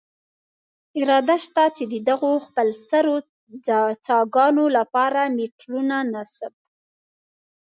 اراده شته، چې دغو خپلسرو څاګانو له پاره میټرونه نصب.